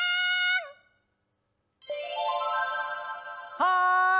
はい！